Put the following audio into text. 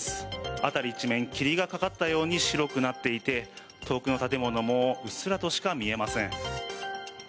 辺り一面、霧がかかったように白くなっていて遠くの建物もうっすらとしか見えません。